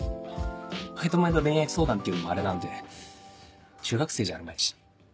毎度毎度恋愛相談っていうのもあれなんで中学生じゃあるまいし。